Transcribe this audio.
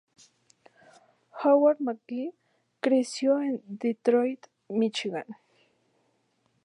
Howard McGhee creció en Detroit, Míchigan.